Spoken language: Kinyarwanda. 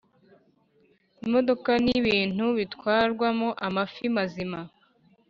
Imodoka n ibintu bitwarwamo amafi mazima